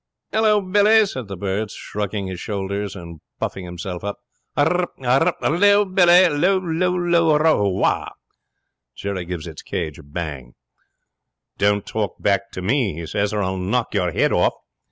'"Hello, Billy!" says the bird, shrugging his shoulders and puffing himself up. "R r r r! R r r r! 'lo, Billy! 'lo, 'lo, 'lo! R r WAH!" 'Jerry gives its cage a bang. '"Don't talk back at me," he says, "or I'll knock your head off.